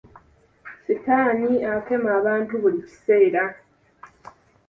Sitaani akema abantu buli kiseera.